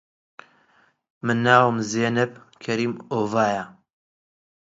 من ناوم زێنەب کەریم ئۆڤایە